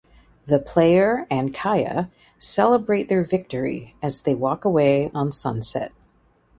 The player and Kaya celebrate their victory as they walk away on sunset.